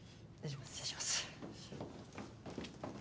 失礼します。